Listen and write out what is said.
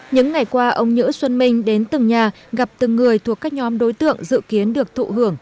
những ngày qua ông nhữ xuân minh đến từng nhà gặp từng người thuộc các nhóm đối tượng dự kiến được thụ hưởng